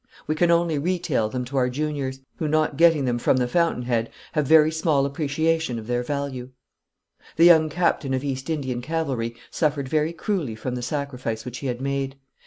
We can only retail them to our juniors, who, not getting them from the fountain head, have very small appreciation of their value. The young captain of East Indian cavalry suffered very cruelly from the sacrifice which he had made.